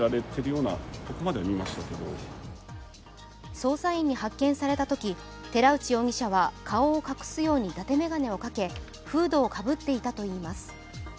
捜査員に発見されたとき、寺内容疑者は顔を隠すようにだて眼鏡をかけ、フードをかぶっていたといいます。